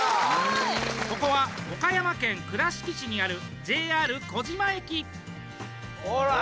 ここは、岡山県倉敷市にあるＪＲ児島駅。